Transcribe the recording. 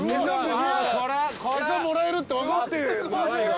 餌もらえるって分かって。